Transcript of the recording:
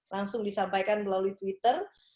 langsung disampaikan melalui twitter